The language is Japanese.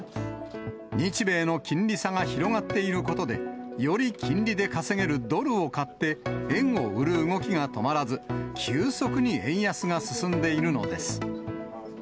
日米の金利差が広がっていることで、より金利で稼げるドルを買って円を売る動きが止まらず、急速に円安が進んでいるのです。